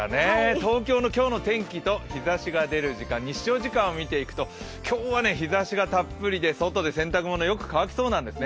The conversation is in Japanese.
東京の今日の天気と日ざしの出る時間日照時間を見ていくと今日は日ざしがたっぷりで外で洗濯物、よく乾きそうなんですね。